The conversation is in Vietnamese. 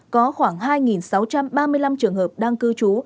có khoảng hai sáu trăm ba mươi năm trường hợp đang cư trú